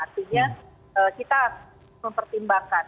artinya kita mempertimbangkan